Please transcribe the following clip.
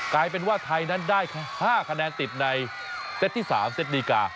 กลายเป็นว่าไทยนั้นได้๕คะแนนติดในเซตที่๓เซตดีกา